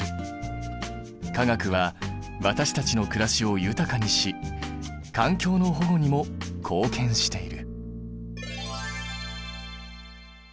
化学は私たちの暮らしを豊かにし環境の保護にも貢献している。